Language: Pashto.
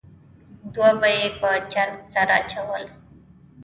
دوه به یې په جنګ سره اچول.